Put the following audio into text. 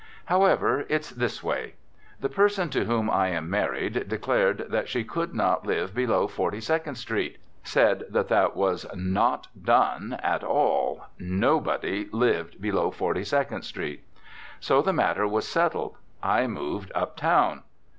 However, it's this way. The person to whom I am married declared that she could not live below Forty second Street; said that that was not done at all, nobody "lived" below Forty second Street. So the matter was settled. I moved "uptown."